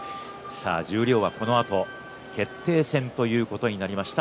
十両はこのあと決定戦ということになりました